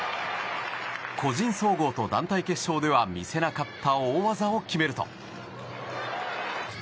個人総合と団体決勝では見せなかった大技を決めると。